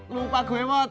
lu pak guewot